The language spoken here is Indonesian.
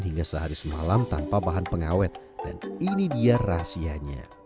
hingga sehari semalam tanpa bahan pengawet dan ini dia rahasianya